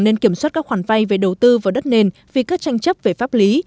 nên kiểm soát các khoản vay về đầu tư vào đất nền vì các tranh chấp về pháp lý